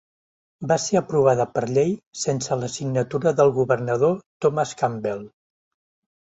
Va ser aprovada per llei sense la signatura del governador Thomas Campbell.